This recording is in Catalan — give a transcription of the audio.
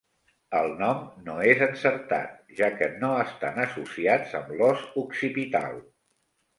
El nom no és encertat, ja que no estan associats amb l'os occipital.